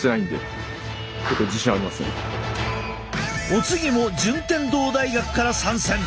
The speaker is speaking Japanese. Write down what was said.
お次も順天堂大学から参戦！